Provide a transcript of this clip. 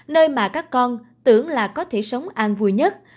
nơi mà các con tưởng là có thể sống an vui nhất